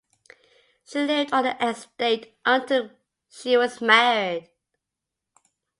She lived on the estate until she was married.